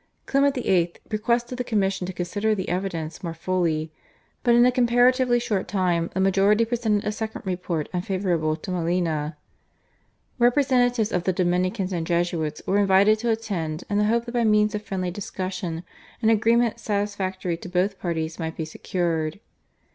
Clement VIII. requested the commission to consider the evidence more fully, but in a comparatively short time the majority presented a second report unfavourable to Molina. Representatives of the Dominicans and Jesuits were invited to attend in the hope that by means of friendly discussion an agreement satisfactory to both parties might be secured.